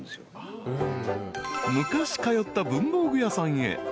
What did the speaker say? ［昔通った文房具屋さんへ］